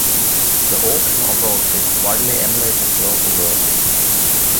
The auction approach is widely emulated throughout the world.